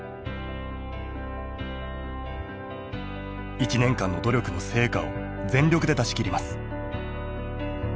１年間の努力の成果を全力で出し切ります。